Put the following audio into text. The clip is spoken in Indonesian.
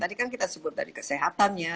tadi kan kita sebut dari kesehatan ya